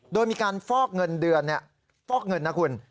โดยมีการฟอกเงินเดือนฟอกเงินนะคุณ